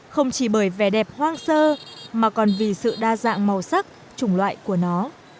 không chỉ bởi vẻ đẹp hoang sơ mà còn vì sự đa dạng màu sắc chủng loại của nó